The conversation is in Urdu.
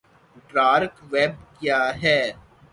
ڈارک ویب کیا ہے